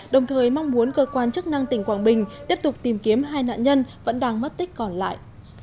đồng thời mong muốn cơ quan chức năng tỉnh quảng bình tiếp tục tìm kiếm hai nạn nhân vẫn đang mất tích còn lại